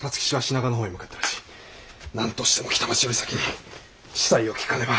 なんとしても北町より先に子細を聞かねば。